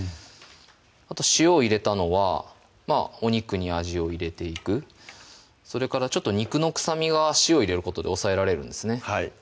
あと塩を入れたのはまぁお肉に味を入れていくそれからちょっと肉の臭みが塩を入れることで抑えられるんですね